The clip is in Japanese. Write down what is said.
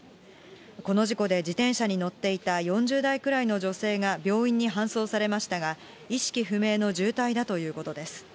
この事故で自転車に乗っていた４０代くらいの女性が病院に搬送されましたが、意識不明の重体だということです。